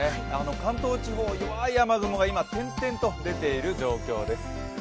関東地方は弱い雨雲が今、点々と出ている状況です。